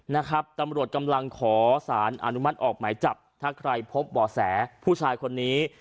นะครับตำรวจกำลังขอสารอนุมัติออกหมายจับถ้าใครพบบ่อแสผู้ชายคนนี้